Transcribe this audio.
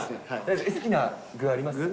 好きな具あります？